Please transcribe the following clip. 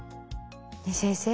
ねぇ先生